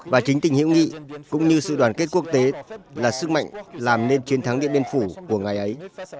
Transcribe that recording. và chính tình hữu nghị cũng như sự đoàn kết quốc tế là sức mạnh làm nên chiến thắng điện biên phủ của ngày ấy